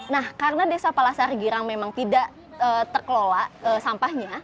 nah karena desa palasar girang memang tidak terkelola sampahnya